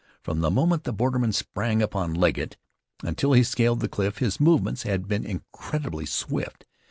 From the moment the borderman sprang upon Legget, until he scaled the cliff, his movements had been incredibly swift.